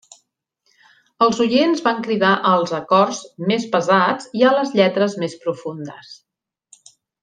Els oients van cridar als acords més pesats i a les lletres més profundes.